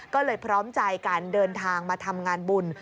ก็เลยพร้อมใจการเดินทางมาทำงานบุญ